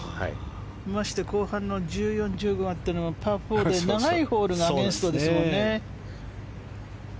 まして後半の１４、１５あってパー４で長いホールのアゲンストですもんね。